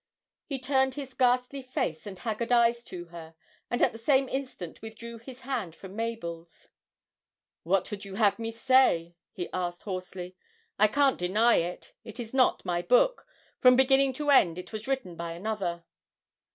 He turned his ghastly face and haggard eyes to her and at the same instant withdrew his hand from Mabel's. 'What would you have me say?' he asked hoarsely. 'I can't deny it ... it is not my book ... from beginning to end it was written by another.'